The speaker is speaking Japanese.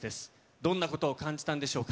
どんなことを感じたんでしょうか。